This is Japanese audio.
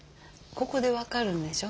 ここで分かるんでしょ？